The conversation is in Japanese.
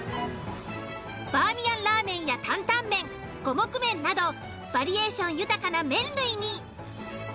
バーミヤンラーメンや担々麺五目麺などバリエーション豊かな麺類に。